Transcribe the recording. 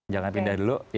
jangan pindah dulu